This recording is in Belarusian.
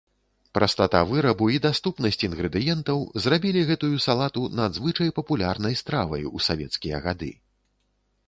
Прастата вырабу і даступнасць інгрэдыентаў зрабілі гэтую салату надзвычай папулярнай стравай у савецкія гады.